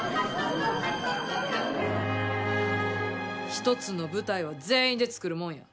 一つの舞台は全員で作るもんや。